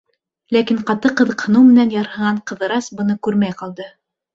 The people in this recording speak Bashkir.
Ләкин ҡаты ҡыҙыҡһыныу менән ярһыған Ҡыҙырас быны күрмәй ҡалды.